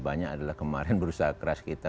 banyak adalah kemarin berusaha keras kita